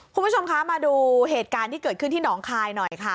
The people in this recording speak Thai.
คุณผู้ชมคะมาดูเหตุการณ์ที่เกิดขึ้นที่หนองคายหน่อยค่ะ